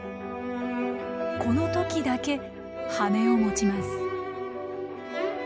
この時だけ羽を持ちます。